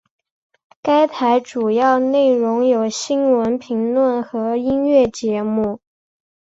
该台主要内容有新闻评论和音乐节目。